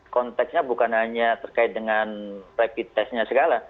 konteksnya bukan hanya terkait dengan rapid testnya segala